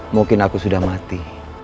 mungkin aku sudah mati